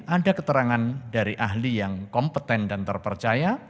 ada keterangan dari ahli yang kompeten dan terpercaya